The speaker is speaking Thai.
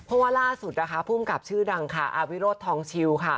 เพราะว่าร่าสุดพุ่งกับชื่อดังอาร์วิธิรโตรทองชิล